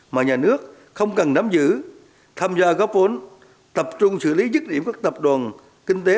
mà nhà nước không cần nắm giữ tham gia góp vốn tập trung xử lý dứt điểm các tập đoàn kinh tế